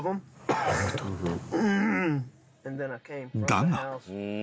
［だが］